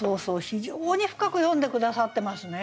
非常に深く読んで下さってますね。